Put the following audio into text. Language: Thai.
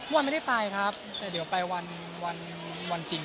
วันไม่ได้ไปครับแต่เดี๋ยวไปวันจริง